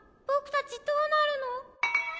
たちどうなるの？